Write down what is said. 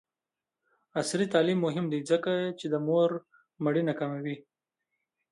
عصري تعلیم مهم دی ځکه چې د مور مړینه کموي.